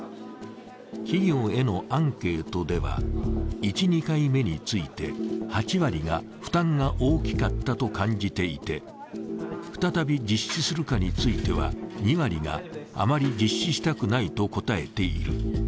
企業へのアンケートでは、１、２回目について８割が負担が大きかったと感じていて、再び実施するかについては、２割があまり実施したくないと答えている。